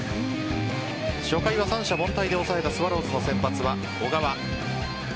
初回は三者凡退で抑えたスワローズの先発は小川。